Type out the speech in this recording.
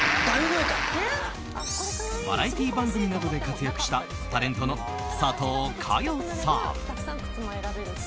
バラエティー番組などで活躍したタレントの佐藤かよさん。